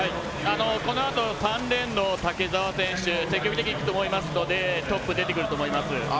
このあと、３レーンの竹澤選手が積極的にいくと思いますのでトップ出てくると思います。